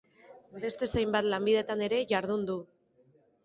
Beste zenbait lanbidetan ere jardun du.